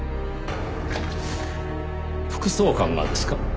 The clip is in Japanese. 副総監がですか？